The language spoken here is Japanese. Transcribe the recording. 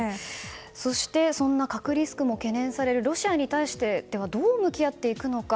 そしてそんな核リスクも懸念されるロシアに対してどう向き合っていくのか。